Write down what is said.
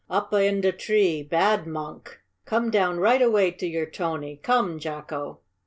Up a in de tree. Bad monk! Come down right away to your Tony! Come, Jacko!"